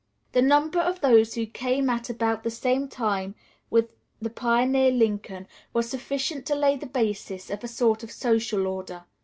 The number of those who came at about the same time with the pioneer Lincoln was sufficient to lay the basis of a sort of social order.